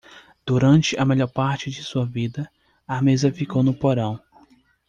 Durante a melhor parte de sua vida, a mesa ficou no porão.